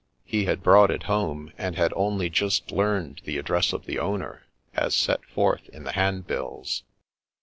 He had brought it home, and had only just learned the ad dress of the owner, as set forth in the handbills.